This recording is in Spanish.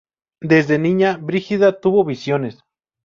Desde niña Brígida tuvo visiones.